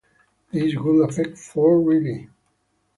This would affect Fort Riley.